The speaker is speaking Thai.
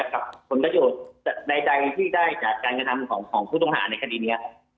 ผลประโยชน์ในใจที่ได้จากการกระทำของผู้ต้องหาในคดีนี้